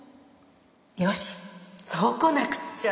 よしそうこなくっちゃ。